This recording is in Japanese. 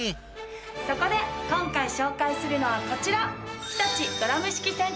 そこで今回紹介するのはこちら。